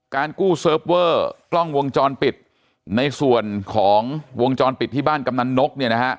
กู้เซิร์ฟเวอร์กล้องวงจรปิดในส่วนของวงจรปิดที่บ้านกำนันนกเนี่ยนะฮะ